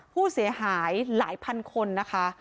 ผู้เสียหายหลายพันคนนะคะ